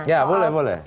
ya boleh boleh